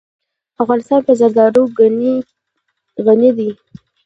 افغانستان په زردالو غني دی.